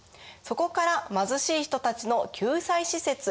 そこから貧しい人たちの救済施設